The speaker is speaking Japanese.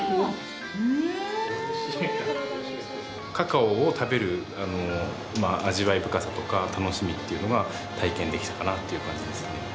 カカオを食べる味わい深さとか楽しみというのが体験できたかなという感じですね。